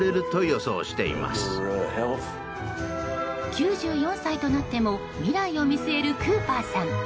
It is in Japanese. ９４歳となっても未来を見据えるクーパーさん。